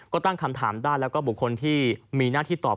ก็ตั้งคำถามได้แล้วก็บุคคลที่มีหน้าที่ตอบ